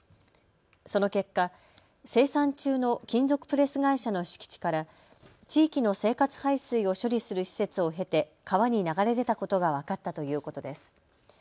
その結果、清算中の金属プレス会社の敷地から地域の生活排水を処理する施設を経て川に流れ出たことが分かったということです。